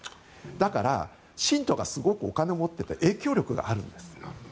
だから、信徒がすごくお金を持ってて影響力があるんです。